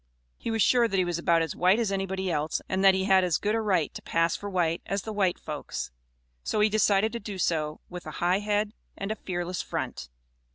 He was sure that he was about as white as anybody else, and that he had as good a right to pass for white as the white folks, so he decided to do so with a high head and a fearless front.